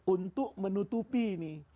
untuk menutupi ini